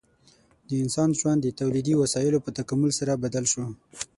د انسان ژوند د تولیدي وسایلو په تکامل سره بدل شو.